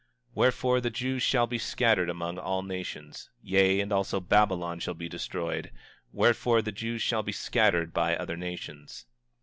25:15 Wherefore, the Jews shall be scattered among all nations; yea, and also Babylon shall be destroyed; wherefore, the Jews shall be scattered by other nations.